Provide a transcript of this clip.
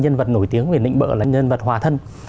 nhân vật nổi tiếng về nịnh bợ là nhân vật hòa thân